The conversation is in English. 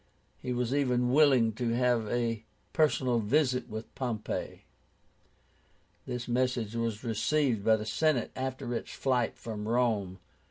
He was even willing to have a personal interview with Pompey. This message was received by the Senate after its flight from Rome.